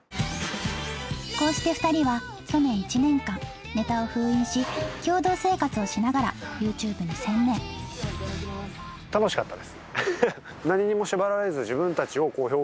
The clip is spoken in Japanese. こうして２人は去年１年間ネタを封印し共同生活をしながらＹｏｕＴｕｂｅに専念楽しかったです。